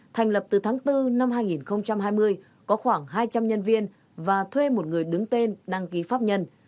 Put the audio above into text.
thành lập từ tháng bốn năm hai nghìn hai mươi có khoảng hai trăm linh nhân viên và thuê một người đứng tên đăng ký pháp nhân